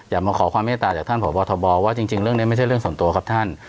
มาขอความเมตตาจากท่านพบทบว่าจริงเรื่องนี้ไม่ใช่เรื่องส่วนตัวครับท่าน